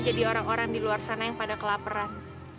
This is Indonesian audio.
jadi orang orang di luar sana yang pada kelaperan